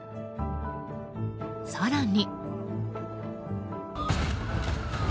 更に。